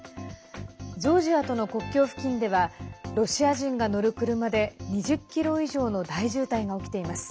ジョージアとの国境付近ではロシア人が乗る車で２０ｋｍ以上の大渋滞が起きています。